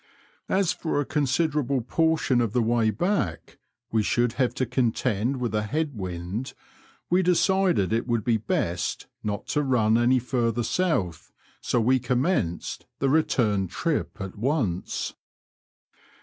As for a considerable portion of the way back we should have to contend with a head wind, we decided it would be best not to Tun any further south, so we commenced the return trip at once.